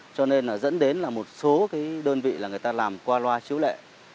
cho nên là dẫn đến là một số cái đơn vị là người ta làm qua loa chiếu lệ